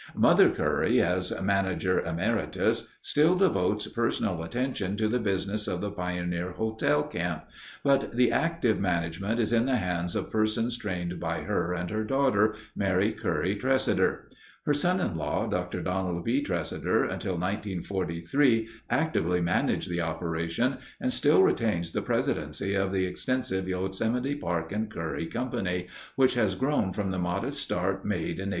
"Mother" Curry, as "Manager Emeritus," still devotes personal attention to the business of the pioneer hotel camp but the active management is in the hands of persons trained by her and her daughter, Mary Curry Tresidder. Her son in law, Dr. Donald B. Tresidder, until 1943 actively managed the operations and still retains the presidency of the extensive Yosemite Park and Curry Company, which has grown from the modest start made in 1899.